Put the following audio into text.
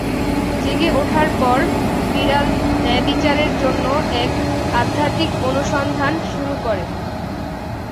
জেগে ওঠার পর, বিড়াল ন্যায়বিচারের জন্য এক আধ্যাত্মিক অনুসন্ধান শুরু করে।